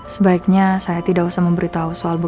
sebaiknya saya tidak usah memberitahu soal ibu catherine